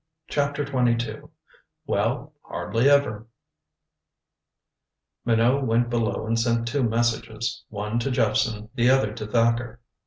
CHAPTER XXII "WELL, HARDLY EVER " Minot went below and sent two messages, one to Jephson, the other to Thacker.